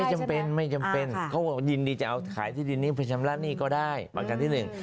จำเป็นไม่จำเป็นเขาบอกยินดีจะเอาขายที่ดินนี้ไปชำระหนี้ก็ได้ประกันที่หนึ่ง